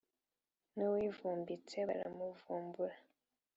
n’uwivumbitse baramuvumbura